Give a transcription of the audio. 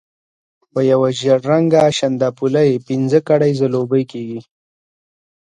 په یو ژېړ رنګه شانداپولي پنځه کړۍ ځلوبۍ کېږي.